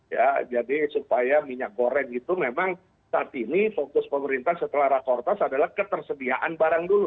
ya jadi supaya minyak goreng itu memang saat ini fokus pemerintah setelah rakortas adalah ketersediaan barang dulu